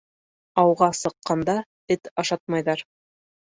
Ауға сыҡҡанда эт ашатмайҙар.